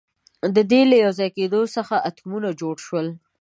د دې له یوځای کېدو څخه اتمونه جوړ شول.